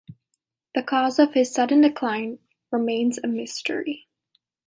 The cause of his sudden decline remains a mystery.